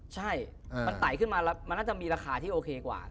ใช่มันไต่ขึ้นมามันน่าจะมีราคาที่โอเคกว่า